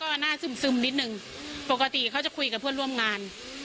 ก็หน้าซึมนิดนึงปกติเขาจะคุยกับเพื่อนร่วมงาน